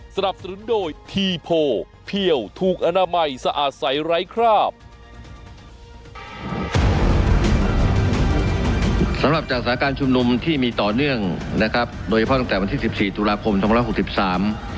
สำหรับจากสถานการณ์ชุมนุมที่มีต่อเนื่องนะครับโดยเฉพาะตั้งแต่วันที่สิบสี่ตุลาคมสองพันหกสิบสาม